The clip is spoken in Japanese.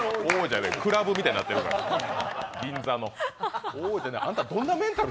クラブみたいになってる、メンタル。